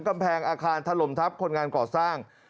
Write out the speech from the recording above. กำแพงอาคารถล่มทับคนงานก่อสร้าง